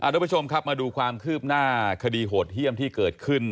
ทุกผู้ชมครับมาดูความคืบหน้าคดีโหดเยี่ยมที่เกิดขึ้น